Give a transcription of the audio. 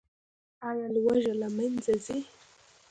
آیا لوږه له منځه ځي؟